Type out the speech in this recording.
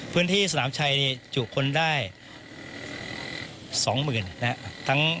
พื้นที่สนามชัยจุคนได้๒๐๐๐นะครับ